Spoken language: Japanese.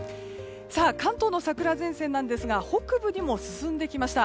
関東の桜前線なんですが北部にも進んできました。